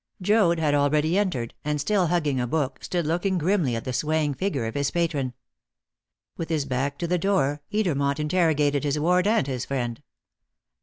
Joad had already entered, and, still hugging a book, stood looking grimly at the swaying figure of his patron. With his back to the door, Edermont interrogated his ward and his friend.